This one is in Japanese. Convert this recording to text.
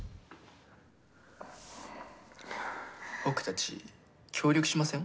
僕たち協力しません？